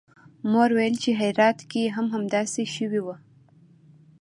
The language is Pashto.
مور ویل چې هرات کې هم همداسې شوي وو